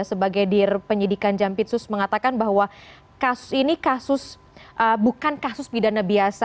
sebagai dir penyidikan jampitsus mengatakan bahwa kasus ini kasus bukan kasus pidana biasa